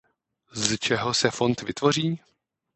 Z čeho se fond vytvoří?